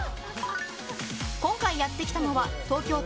今回やってきたのは東京都